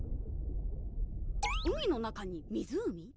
海の中に湖？